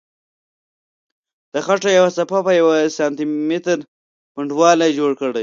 د خټو یوه صفحه په یوه سانتي متر پنډوالي جوړه کړئ.